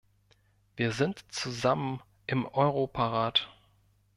Wir sind zusammen im Europarat.